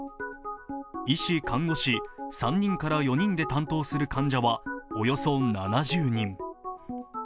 医師、看護師３人から４人で担当する患者はおよそ７０人。